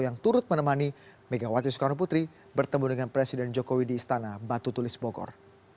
yang turut menemani megawati soekarno putri bertemu dengan presiden jokowi di istana batu tulis bogor